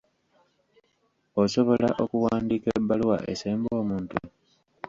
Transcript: Osobola okuwandiika ebbaluwa esemba omuntu?